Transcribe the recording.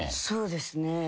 そうですね。